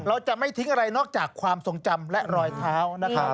เราจะไม่ทิ้งอะไรนอกจากความทรงจำและรอยเท้านะครับ